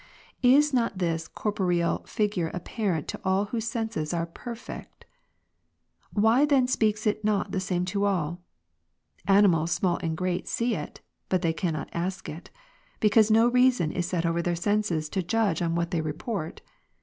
10. Is not this corporeal figure apparent to all whose ''•> senses are perfect ? why then speaks it not the same to all ? j Animals small and great see it, but they cannot ask it :! because no reason is set over their senses to judge on what they report.